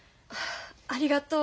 ありがとう。